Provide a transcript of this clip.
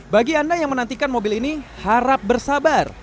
bagi anda yang menantikan mobil ini harap bersabar